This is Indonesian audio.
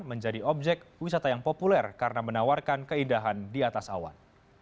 menjadi objek wisata yang populer karena menawarkan keindahan di atas awan